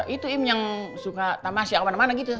itu im yang suka tamas yang kemana mana gitu